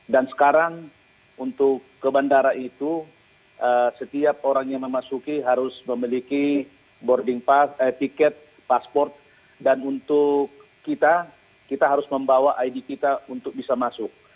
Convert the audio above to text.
dan sekarang untuk ke bandara itu setiap orang yang memasuki harus memiliki boarding pass tiket paspor dan untuk kita kita harus membawa id kita untuk bisa masuk